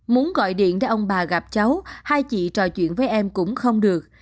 muốn gọi điện cho ông bà gặp cháu hai chị trò chuyện với em cũng không được